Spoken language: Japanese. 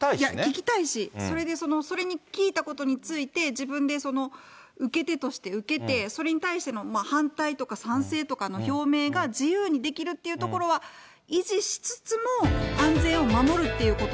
聞きたいし、それでそれに聞いたことについて、自分で受け手として受けて、それに対しての反対とか賛成とかの表明が自由にできるっていうとプシュ！